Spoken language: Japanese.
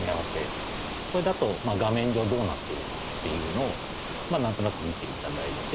これだと画面上どうなっているかっていうのをなんとなく見て頂いて。